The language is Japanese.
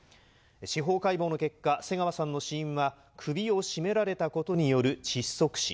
司法解剖の結果、瀬川さんの死因は、首を絞められたことによる窒息死。